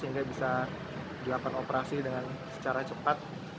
sehingga bisa dilakukan operasi dengan secara cepat